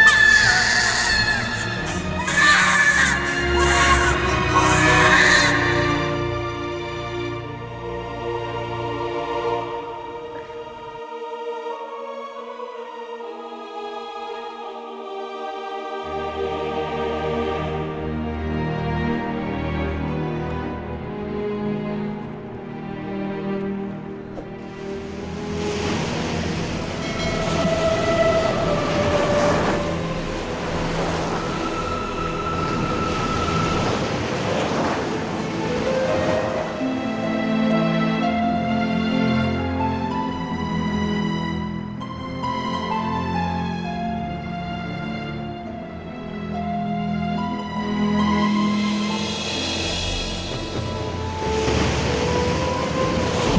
tolong buatkan hamba ya allah